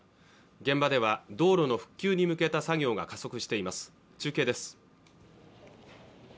現場では道路の復旧に向けた作業が加速しています中継です